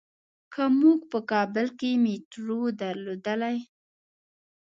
که مونږ په کابل کې مېټرو درلودلای.